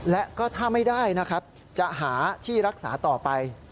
และก็ถ้าไม่ได้นะครับจะหาที่รักษาต่อไป